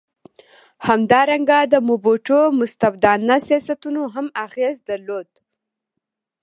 همدارنګه د موبوټو مستبدانه سیاستونو هم اغېز درلود.